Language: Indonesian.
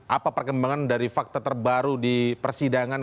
apa perkembangan dari fakta terbaru di persidangan